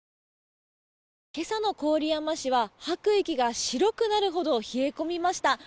今朝の郡山市は吐く息が白くなるほど冷え込みました。